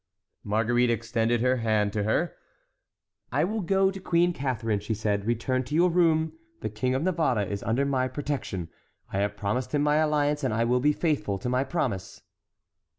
Marguerite extended her hand to her. "I will go to Queen Catharine," she said. "Return to your room. The King of Navarre is under my protection; I have promised him my alliance and I will be faithful to my promise."